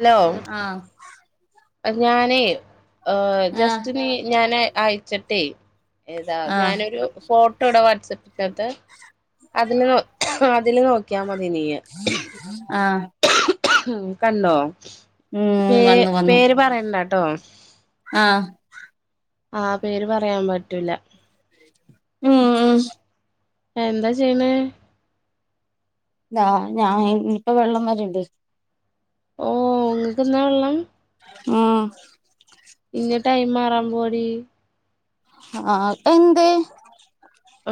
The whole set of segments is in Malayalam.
ഹലോ ആഹ്! ഞാനേ ആ് ആഹ് ജസ്റ്റനി ഞാന് അയച്ചിട്ടെ. ഏതാ? ആഹ് ഞാനൊരു ഫോട്ടോ ഇടാം വാട്സപ്പിനകത്ത്. അതില് അതില് നോക്കിയാൽ മതി നീയ്. ആഹ്. കണ്ടോ? ഉം പേ വന്നു വന്നു പേര് പറയണ്ടാട്ടോ. ആഹ്. ആ പേര് പറയാൻ പറ്റൂല. ഉം ആഹ് എന്താ ചെയ്യണെ? ആഹ് ഞാൻ ഇപ്പ വെള്ളം വരണ്ട്. ഓ നിങ്ങൾക്ക് ഇന വെള്ളം. ആഹ ഇന്നി ടൈം മാറാൻ പോവാടീ. ആഹ് ഏന്തേ?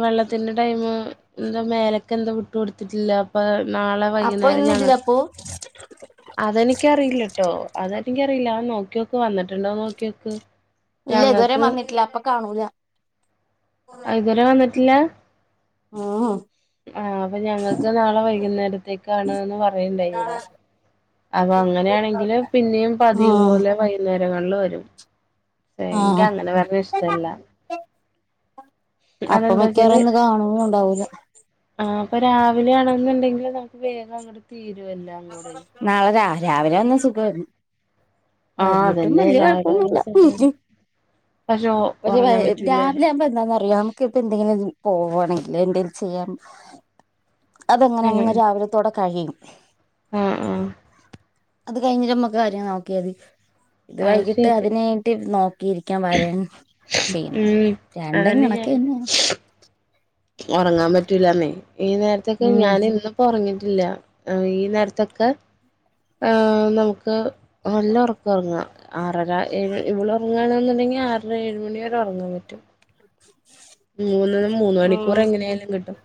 വെള്ളത്തിന്റെ ടൈമ് എന്താ മേലേക്ക് എന്താ വിട്ട് കൊടുത്തിട്ടില്ല. അപ്പൊ നാളെ അപ്പൊ വൈകുന്നേരം ഇന്നില്ല ഞങ്ങൾക്ക് അപ്പൊ അതെനിക്കറിയില്ല ട്ടോ അതെനിക്കറിയില്ല അത് നോക്കി നോക്ക്. വന്നിട്ടുണ്ടോ നോക്കി നോക്ക് ഇല്ല ഇതുവരെ വന്നിട്ടില്ല. അപ്പൊ കാണൂല. ഇതുവരെ വന്നിട്ടില്ല? ഉഹ് ആഹ് അപ്പൊ ഞങ്ങൾക്ക് നാളെ വൈകുന്നേരത്തേക്കാണ് ന്ന് പറയണ്ടെയി ഇവിടെ? അപ്പ അങ്ങനെയാണെങ്കില് പിന്നെയും പതിവ് ഉം പോലെ വൈ ക്കുന്നേരങ്ങളിൽ വരും. ക്ഷേ എനിക്ക് ആഹ് അങ്ങനെ വരണത് ഇഷ്ടല്ല. അപ്പ മിക്കാവറു അതെന്താച്ചാല് ഒന്ന് കാണുന്നു ഉണ്ടാവില്ല. ആഹ അപ്പൊ രാവിലെ ആണെന്നുണ്ടെങ്കിൽ നമുക്ക് വേഗം അങ്ങോട്ട് തീരുമല്ലോ. നാളെ രാ രാവിലെ വന്ന് സുഖമായിരുന്നു. ആ വൈകിട്ടും അതന്നെ വലിയ രാവിലെ ആവുമ്പോ കോഴപ്പമൊന്നുമില്ല. സുഖാണ് പക്ഷെ ഒ- പക്ഷെ ഉറങ്ങാൻ പറ്റൂല രാവിലെ ആവുമ്പോ എന്താന്ന് അറിയോ ക്ക് പ്പഎന്തെങ്കിലും പോവാണങ്കിൽ എന്തെലും ചെയ്യാൻ അതങ്ങനെ അങ്ങ് രാവിലെ തൊടെ കഴിയും. ആഹ് ആഹ് അത് കഴിഞ്ഞിട്ടമ്മക്ക് കാര്യം നോക്കിയ മതി. ഇത് അത് വൈകിട്ട് ശരി അതിന് വെട്ടി നോ ക്കിരിക്കാൻ വരൻ ചെയ്യണം. ഉം രണ്ടും അതന്നെ കണക്ക് ഞാനും തന്നെയാ ഉറങ്ങാൻ പറ്റൂല്ലന്നേ. ഈ നേരത്തൊക്കെ ഉം ഞാൻ എന്നും ഒറങ്ങിട്ടില്ല, ഈ നേരത്തൊക്കെ ഹെ നമുക്ക് നല്ല ഒറക്കം ഒറങ്ങാ ആറര ഏയ് ഇവിൾ ഒറങ്ങണെന്നുണ്ടെങ്കിൽ ആറര ഏഴ് മണി വരെ ഒറങ്ങാൻ പറ്റും. മൂന്ന് മൂന്ന് മണിക്കൂർ ഉം എങ്ങനെങ്കിലും കിട്ടും.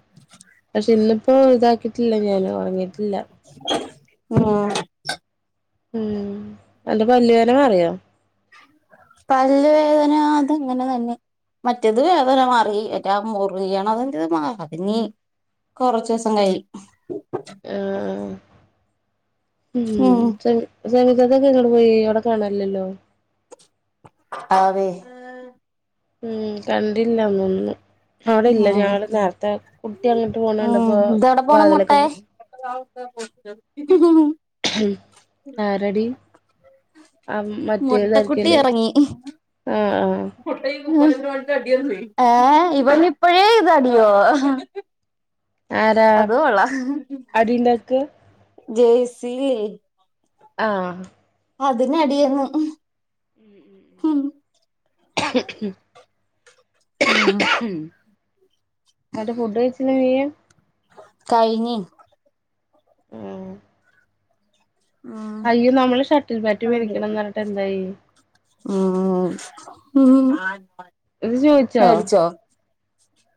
പക്ഷെ ഇന്നിപ്പോ ഇതാക്കി റ്റില്ല ഞാൻ ഉറങ്ങിയിട്ടില്ല. ആഹ ഉം അന്റെ പലുവേദന മറിയോ?. പല്ലുവേദന അത് അങ്ങനെ തന്നെ മറ്റേത് വേദന മാറി. എറ്റ മുറിയണതിൻ്റെ മടങ്ങി കൊറച്ച് ദിവസം കഴിയും. ആഹ ആഹ ഉം മ് ശരി സെമി താത്തക്കെ ഇങ്ങട് പോയി അവിടെ കാണനില്ലല്ലോ?. ആവേ ഉം കണ്ടില്ലന്നൊന്നു. അവിടെ ഇല്ല ഉം ഞൾ നേരത്തെ കുട്ടി അങ്ങോട്ട് ഉം പോണണ്ട്പ്പോ ഇതവിടെ പോണ് വാതിലൊക്കെ മുട്ടെ പോ [unintelligible] ആ റെഡി ആ മറ്റേ മുട്ടക്കുട്ടി തായിരിക്കല്ലേ ആഹ ആഹ ആ ഇവൻ ഇപ്പഴേ ഇത് അടിയോ ആരാ അടിയിണ്ടാക്ക. ജെയ്സില് ആഹ അത് മിയെന്ന്. ഹം [unintelligible] ഉം ഉം എന്നിട്ട് ഫുഡ് കഴിച്ചിലെ നീ. കഴിഞ്ഞു. ഉം ഉം അയ്യോ നമ്മള് ഷട്ടിൽ ബാറ്റ് മേടിക്കണംന്ന് പറഞ്ഞിട്ട് എന്തായി?. ആ ആൽ പാൽ ളത് ചോദിച്ചോ?.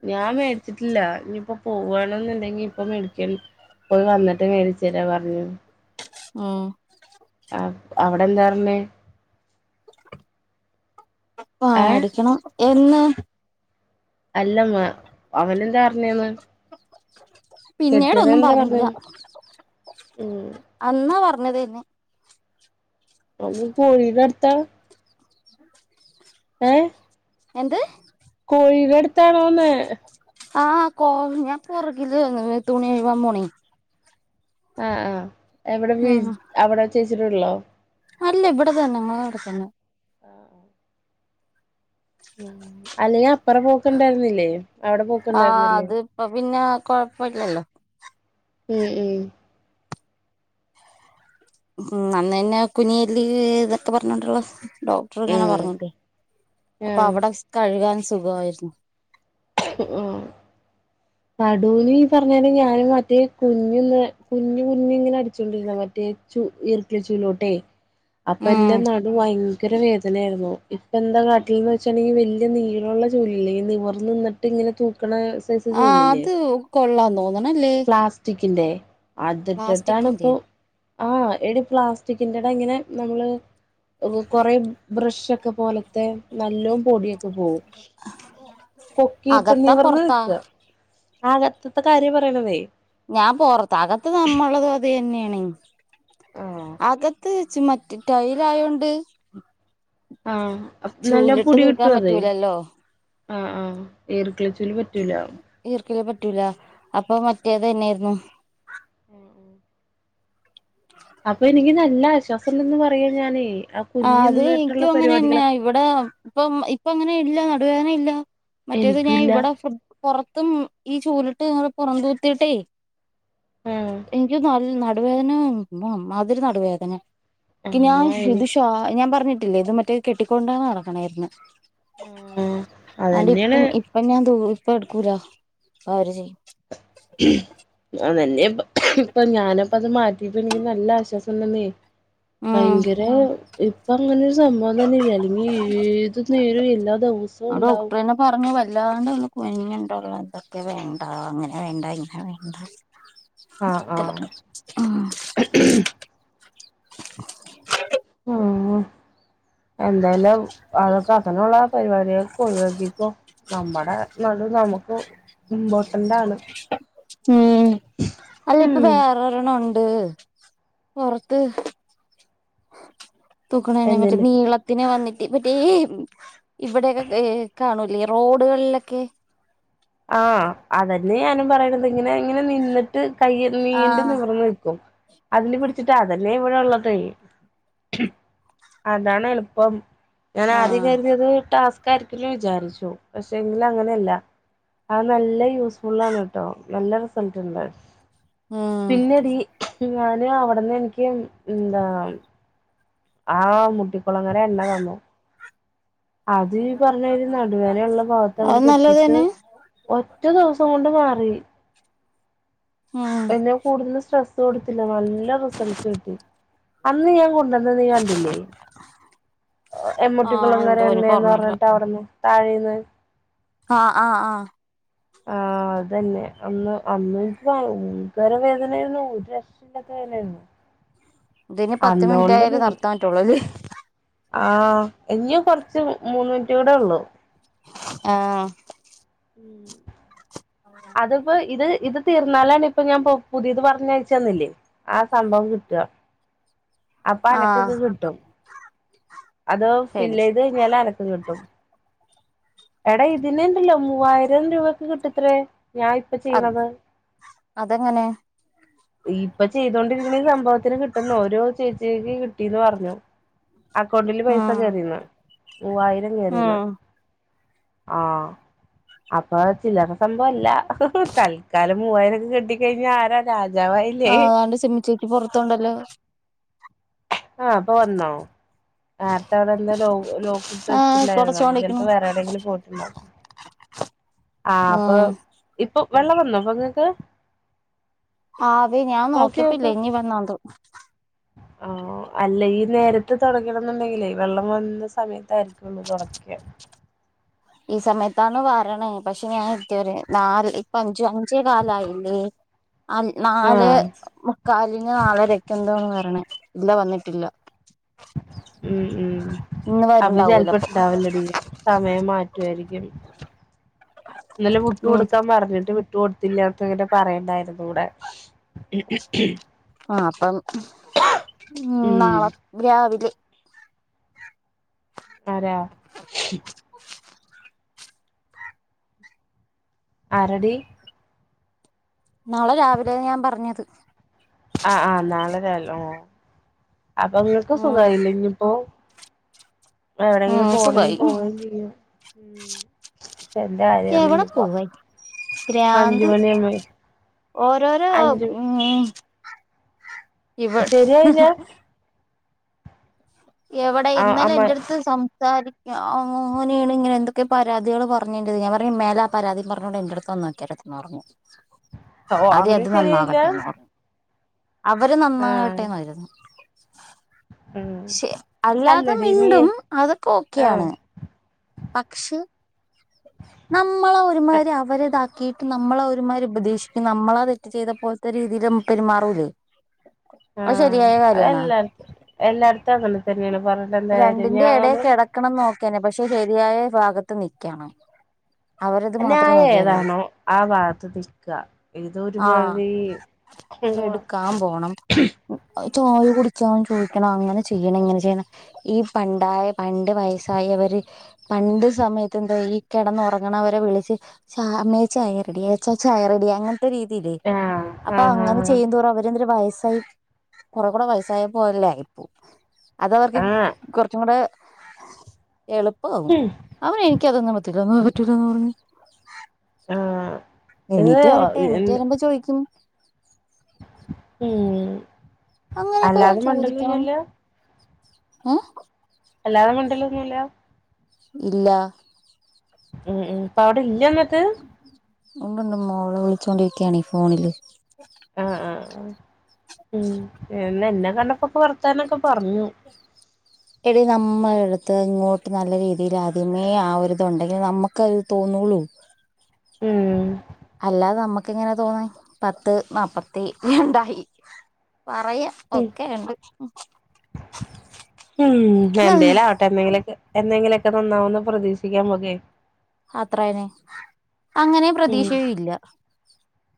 ഞാൻ മേടിച്ചിട്ടില്ല. ഇനിയിപ്പ പോവണെന്നുണ്ടെങ്കി ഇപ്പ മേടിക്ക പോയി വന്നിട്ട് മേടിച്ച് തരാം. പറഞ്ഞു. ഉം ആ അവിടെ എന്താ പറഞ്ഞേ പ ഏ അടിക്കണം എന്ന് അല്ലമ്മ അവന് ന്താ റഞ്ഞന്ന് പിന്നീട ഒന്നും പറഞ്ഞില്ല പറഞ്ഞേന്ന് ഉം അന്നാ പറഞ്ഞത് അത് കോഴിടെ അട്ത്ത ഏ എന്ത് കോഴി ടടുത്താണോന്ന് ആ കോ ഞാൻ പുറകില് ാര്ന്ന് തുണി കഴുകാൻ പോണി ആ ആ എവിടെ വി ഉം അവിടെ ചേച്ചിടെ വീട്ട്ലോ അല്ല ഇവിടെ തന്നെ ഞങ്ങളവടെ തന്നെ ഉം അല്ലെങ്കിൽ അപ്പറ പോക്കണ്ടായിരുന്നില്ലേ അവിടെ പോക്കണ്ടായിരുന്നില്ലേ പ്പ പിന്ന കുഴപ്പല്ലല്ലോ ഉം ഉം ഉം അന്ന് തന്നെ കുനിയില് ഇതൊക്കെ പറഞ്ഞോണ്ടുള്ള ഡോക്ടർ ഇങ്ങനെ ഉം പറഞ്ഞിട്ടെ അപ്പൊ ആഹ് അവിടെ സ് കഴുകാൻ സുഖവായിരുന്നു ഉം പടൂന് ഈ പറഞ്ഞല് ഞാന് മറ്റേ കുഞ്ഞിന്ന് കുഞ്ഞ് കുഞ്ഞ് ഇങ്ങനെ അടിച്ചൊണ്ടിരുന്ന മറ്റേ ചു ഇർക്ൾ ചൂലോട്ടെ അപ്പ ഉം എൻ്റെ നടു ഭയ ങ്കര വേദനയാരുന്നു ഇപ്പ എന്താ കാട്ടിന്ന് വെച്ചാൽൽ ഈ വലിയ നീളള്ള ചൂലില്ലെ നിവർ നിന്ന് ട്ട്ഇങ്ങനെ തൂക്കണ ആ അത് കൊള്ളാമോ പ്ലാസ്റ്റിക്കിന്റെ പ്ലാസ്റ്റിക്കിന്റെ അതിട്ടിട്ടാണ്പ്പോ ആ എടി പ്ലാസ്റ്റിക്കിന്റെ ത ഇങ്ങനെ നമ്മള് കൊറെ ബ്രഷ് ഒക്കെ പോലത്തെ നല്ലോ പൊടിയൊക്കെ പോവും പൊക്കിയിട്ട് അകത്താ നിവർന്ന് പൊറത്താ നിക്ക ആകത്ത്ത്തെ കാര്യ പറയണതെ ഞാൻ പോറത്ത് അകത്ത് നമ്മളത് അത് തന്നെണ് ആഹ് അകത്ത് ചുമ്മ ടൈലായോണ്ട് ആ അപ്പ നല്ല ചൂലിട്ട് പുടി കിട്ടൊ തൂക്കാൻ അത് പറ്റൂലല്ലോ ആ ആ ഈർക്ൾച്ചൂല് പറ്റൂല ഈർക്ക്ളിപറ്റൂല അപ്പൊ മറ്റേത് തന്നെയായിരുന്നു ഉം ഉം ഉ അപ്പൊ എനിക്ക് നല്ല ആശ്വാസം ഉണ്ടന്ന് പറയാ ഞാനേ ആഹ കുനിഞ്ഞ് അത് നിന്നിട്ടുള്ള ഇനിക്കും അങ്ങനെ പരിപാടികളൊക്കെ തന്നെയയി ഇവിടെ ഇപ്പം ഇപ്പ അങ്ങനെ ഇല്ല നടുവേന ഇല്ല മറ്റേത് ഞാൻ എനിക്കൂല്ല ഇവിടെ ഫുഡ് പുറത്തും ഈ ചൂലിട്ട് പുറംന്തൂത്തിട്ടേ ആഹ് എനിക്ക് നൽ നട് നടുവേദന മാതിരി നടുവേദന ഞാൻ ആഹ് എനി [unintelligible] പ ഞാൻ പറഞ്ഞിട്ടില്ലേ ഇത് മറ്റേ കെട്ടിക്കൊണ്ടന്ന് നടക്കണായിരുന്നു ആഹ് അണ്ട് ഇപ്പ അതന്നെയാണ് ഇപ്പ ഞാൻ ദ ഇപ്പ എടുക്കൂല അവര് ചെയ്യും അതന്നെപ്പ ഇപ്പൊ ഞാനപ്പ അത് മാറ്റിയപ്പോ എനിക്ക് നല്ല ആശ്വാസം ഉണ്ടന്നേ ഉം ഭയങ്കരെ ഇപ്പൊ അങ്ങനെ സംഭവം തന്നെ ഇല്ല അല്ലെങ്കിൽ ഏത് നേരും എല്ലാ ദിവസവും ഉണ്ടാവും പറഞ്ഞ് വല്ലാണ്ട് ഒന്ന് കുനിഞ്ഞിട്ടുള്ള ഇതൊക്കെ വേണ്ട അങ്ങനെ വേണ്ട ഇങ്ങനെ വേണ്ട ആഹ് ആഹ് ഉം ഉം എന്തായാലും അതൊക്കെ അങ്ങനെയുള്ള പരിപാടികൾക്ക ഒഴിവാക്കിക്കോ നമ്മുടെ നടു നമുക്ക് ഇമ്പോർട്ടന്റാണ് ഉം അല്ല ഇപ്പൊ ഉം വേറെരെണ് ഉണ്ട് പൊറത്ത് തൂക്കനതെ മറ്റേ അതന്നെ നീള ത്തിന് വന്നിട്ട് മറ്റേ ഇവിടെക്കെ കാണൂലേ ഈ റോഡുകളിലൊക്കെ ആഹ് അതന്നെ ഞാനും പറയണുന്നത് ഇങ്ങനെ ഇങ്ങനെ നിന്നി കൈ നീണ്ട ആഹ് നിവർന്ന് നിൽക്കും അതിന് പിടിച്ചിട്ട് അതന്നെ ഇവിടെ ഉള്ളതും അതാണ് എളുപ്പം ഞാൻ ആദ്യം ആഹ് കരുതിത് ടാസ്ക് ആയിരിക്ക വിചാരിച്ചു പക്ഷെ എങ്കില അങ്ങനെയല്ല അത് നല്ല യൂസ്ഫുള്ളാണ് കേട്ടോ നല്ല റിസൾട്ട് ഉണ്ട് ഉം പിന്നെടി ഞാന് അവിടന്ന് എനിക്ക് എന്താ ആഹ് മുട്ടിക്കളങ്ങര എണ്ണ തന്നു അത് ഈ പറഞ്ഞ നടുവേദന ഉള്ള ഭാഗത്ത് അങ്ങട് അത് നല്ലത് പേരട്ടീട്ട് തന്നെ ഒറ്റ ദിവസം കൊണ്ട് മാറി ഉം പിന്നെ കൂടുതൽ സ്ട്രെസ് ത്തി നല്ല റിസൾട്ട് കിട്ടി അന്ന് ഞാൻ കൊണ്ടുവന്ന നീ കണ്ടില്ലേ ആഹ് എമ്മട്ടിക്കുള്ളങ്ങര എന്തോ എനിക്ക് എണ്ണയന്ന് ഓർമ്മയില്ല പറഞ്ഞിട്ട് അവിടുന്ന് താഴേന്ന് ആഹ് ആഹ് ആഹ് ആഹ് അതന്നെ അന്ന് അന്ന് എനിക്ക്ഭയങ്കര വേദനയരുന്നു വേദന ആയിരുന്നു ഇതിനി പത്ത് മിനിറ്റയാലെ നിർത്താൻ പറ്റുള്ളൂ അല്ലേ ആഹ് ഇനി കുറച്ച് മൂന്ന് മിനിറ്റ് കൂടെ ഉള്ളൂ ആഹ് മ അതിപ്പോ ഇത് ഇത് തീർന്നാലാണ് ഇപ്പൊ ഞാൻ പുതിയത് പറഞ്ഞയച്ച തന്നില്ലേ ആഹ് സംഭവം കിട്ടുക അപ്പൊ ആഹ് അനക്കഇത് കിട്ടും അത് ഫില് ശരി ചെയ്ത് കഴിഞ്ഞാല് അനക്ക് കിട്ടും എടാ ഇതിനെണ്ടല്ലോ മൂവായിരം രൂപക്ക് കിട്ടത്രേ ഞാൻ അ ചെയ്യണത് അതെങ്ങനെ ഇപ്പൊ ചെയ്തോണ്ടിരിക്കണ ഈ സംഭവത്തിന് കിട്ടന്ന ഓരോ ചേച്ചിക്ക് കിട്ടീന്ന് പർഞ്ഞു. അക്കൗണ്ടില് പൈസ ഉം കേയറീന്ന് മൂവായിരം കേറീന്ന്. ഉം ആഹ് അപ്പൊ ചില്ലറ സംഭവല്ല. തൽക്കാലം മൂവായിരൊക്കെ കിട്ടി ക്കഴിഞ്ഞ ആരാ രാജാവായി ആഹ് ആണ്ട് സിമിച്ചേച്ചി പോർത്ത്ണ്ടല്ലേ. ആഹ് അപ്പൊ വന്നോ നേരത്തെ അവടെല്ല ലോ ലോക്ക് ട്ട്ട്ട് ആഹ് ല്ലായ്രുന്നോ അപ്പോ തുടച്ചോണ്ടിരിക്കണു ചെൽപ്പോ വേറെവടെങ്കിലും പോയിട്ട്ണ്ടാവും. ആഹ് അപ്പൊ ഉം ഇപ്പൊ വെള്ളം വന്നോ പ്പങ്ങക്ക്. ആഹ് അതേ ഞാൻ നോക്ക്യപ്പല്ല ഇഞ് വന്നാന്തോ ആഹ് അല്ല ഈ നേരത്ത് തൊടക്കണന്ന്ണ്ടെങ്കിലെ വെള്ളം വന്ന സമയത്തായിരിക്കള്ളൂ തൊടക്ക ഈ സമയത്താണ് വരണ് പക്ഷെ ഞാൻ ഇത് വരെ നാല് ഇപ്പ അഞ്ചു അഞ്ചേ കാലായില്ലേ അഹ് നാല് ആഹ് മുക്കാലിനോ നാലരക്കെന്തോന്ന് വരണേ ഇല്ല വന്ന്ട്ടില്ല. ഉം ഉം ഇന്ന് അപ്പ ചെല് വരുണ്ടാവൂല അപ്പൊ പ്പണ്ടാവലടീ സമയം മാ റ്റ്വൊയിരിക്കും ഇന്നലെ വ്ട്ട് ഉം കൊടുക്കാൻ പർഞ്ഞിട്ട് വ് ട്ട് കൊട്ത്തില്ലത്തങ്ങനെ പറയണ്ടായിര്ന്നൂടെ ആഹ് അപ്പം ഉം നാളെ രാവിലെ ആഹ് രാ ഉം ആരാടി? നാളെ രാവിലെ ഞാൻ പർഞ്ഞത്. ആഹ് ആഹ് നാളെരാലോ അപ്പൊ ഇങ്ങക്ക് ഉം സുഖായില്ലെ ഇഞ്പ്പോ എവടെങ്കിലും ഉം പോണങ്കി സുഖായി പോവേം ചെയ്യാം. ഉം എന്റെകാര്യാണ് എവിടെ ഞ്പ്പോ പോവായി ഭ്രാന്ത് അഞ്ച്മണ്യാവുമ്പഴേ ഓരോരോ ഉം ഇവ ശരിയായില്ല എവടെ ആഹ് ഇന്നലെ അമ്മ എൻ്റെട്ത്ത് സം സാരിക്ക ഓഹ് അങ്ങനെണ് ഇങ്ങനെ എന്തൊക്കെ പരാതികൾ പർഞ്ഞെൻ്റെട്ത്ക്ക് ണാം പർഞ്ഞ് മേലാ പരാതിം പർഞ്ഞോണ്ട് എന്റട്ത്ത് വന്ന കെടന്നോർങ്ങി ഓഹ് ആഹ് അങ്ങനെം ശെരിയായില്ല. പറഞ്ഞു അവര് നന്നാവട്ടേന്നായിരുന്നു. ഉം ശെ അല്ലാതെ അല്ലടി നീയ് മിണ്ടും ആഹ് അതൊക്കൊക്ക്യാണ് പക്ഷെ നമ്മളൊരുമാരി അവരെ താ ക്കീട്ട് നമ്മളെ ഒരുമാതിരി ഉപദേശിക്കും നമ്മളാ തെറ്റ് ചെയ്താ പോല്ത്തെ രീതി ലും പെരുമാറൂല്ലെ അത് ആഹ് ശരിയായ കാര്യാണാ? അതെല്ലാട്ത്തും എല്ലാട്ത്തും അങ്ങനെ തന്നെണ് പർഞ്ഞിട്ടെന്താ കാര്യം ഞാമ്മളും ക്കണം നോക്കെന്നെ പക്ഷെ ശരിയായ ഫാഗത്ത് നിക്കണം. അവരത് മാത്രം നോക്കി വരത് ന്യായേതാണോ ആ ഭാഗത്ത് നിക്ക ഇതൊരുമാതിരി കെട്ക്കാം പോണം. അത് ച്ചായ കുടിച്ചായും ചോയിക്കണം അങ്ങനെ ചെയ്യണം ഇങ്ങനെ ചെയ്യണം ഈ പണ്ടായ പണ്ട് വയസ്സായവര് പണ്ട് സമയത്ത്ന്താ ഈ കൊടന്നാർങ്ങണവരെ വിളിച്ച് ചാ അമ്മേ ചായ റെഡ്യായി അച്ഛാ ചായ റെഡ്യായി അങ്ങൻ രീതില്ലേ ആഹ് അപ്പൊ ആഹ് ആഹ് അങ്ങനെ ചെയ്യുന്തോറും അവരെ എന്തൊരു വയസ്സായി കുറെ കൂടെ വയസായപോലായിപോം അത് അവർക്ക് ആഹ് കുറച്ചും കൂടെ എളുപ്പാവും അവൻ എനിക്കത് ഒന്നും പറ്റൂല്ല പറ്റൂല്ലാന്ന് പറഞ്ഞ് ആഹ് എണീറ്റ് വരട്ടെ എണീറ്റ് ഇത് വരുമ്പോ ചോയ്ക്കും ഉം അല്ലാതെ മിണ്ട്ണ് ഇല്ലല്ലോ? ഏഹ് അല്ലാതെ മിണ്ടലൊന്നും ഇല്ലാ ഇല്ല ഉം ഉം ഇപ്പൊ അവിടെ ഇല്ല ഇന്നിട്ട് ഉണ്ട് ഉണ്ട് മോളെ വിളിച്ചോണ്ടിരിക്കുകയാണ് ഫോണില് ആഹ് ആഹ് ആഹ് ഉം എന്നെ എന്നെ കണ്ടപ്പോക്കെ വർത്താനൊക്കെ പറഞ്ഞു [unintelligible] എടി നമ്മളെ അടുത്ത് ഇങ്ങോട്ട് നല്ല രീതിൽ ആദ്യമേ ആ ഒരിതു ഉണ്ടെങ്കിൽ നമുക്കത് തോന്നുള്ളൂ ഉം അല്ലാതെ നമുക്ക്ങ്ങനെ തോന്നാൻ പത്ത് നാപ്പത്തി രണ്ടായി പറയാ ഓക്കെ ഇണ്ട് ആഹ് എന്തെങ്കിലുഒക്കെ എന്തെങ്കിലുഒക്കെ നന്നാവുംന്ന് പ്രതീക്ഷിക്കാ നമ്മുക്കെ അത്രായനെ അങ്ങനെയും ഉം പ്രതീക്ഷയും ഇല്ല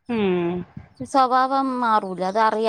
ഉം സ്വഭാവം മാറൂല അത് അറിയാ